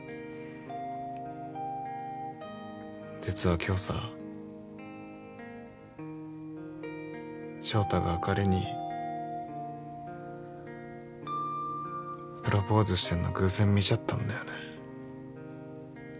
実は今日さ翔太があかりにプロポーズしてんの偶然見ちゃったんだよね。